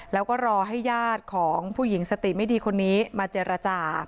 แล้วก็รอให้ญาติของผู้หญิงสติไม่ดีคนนี้มาเจรจา